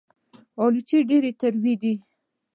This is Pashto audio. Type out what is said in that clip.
الوچې ډېرې تروې دي